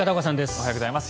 おはようございます。